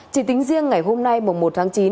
chỉ tính riêng ngày hôm nay mùng một tháng chín